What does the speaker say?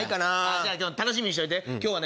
じゃあ楽しみにしといて今日はね